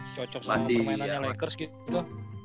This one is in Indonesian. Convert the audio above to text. cocok sama permainannya lakers gitu